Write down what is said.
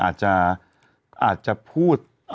อาจจะพูด